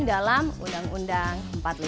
dalam undang undang empat puluh lima